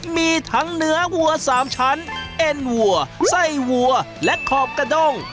มีทั้งเนื้อวัว๓ชั้นเอ็นวัวไส้วัวและขอบกระด้ง